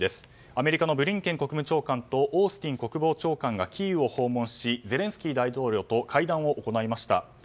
アメリカのブリンケン国務長官とオースティン国防長官がキーウを訪問しゼレンスキー大統領と会談を行いました。